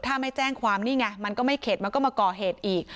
ถ้าไม่แจ้งความนี่ไงมันก็ไม่เข็ดมันก็มาก่อเหตุอีก